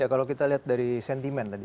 ya kalau kita lihat dari sentimen